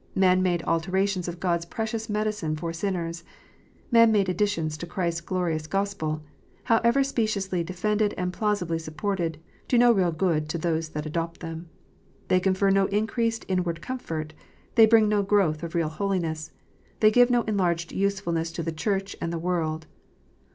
Man made alterations of God s precious medicine for sinners, man made additions to Christ s glorious Gospel, however speciously defended and plausibly supported, do no real good to those that adopt them. They confer no increased inward comfort ; they bring no growth of real holiness ; they give no enlarged usefulness to the Church and the world.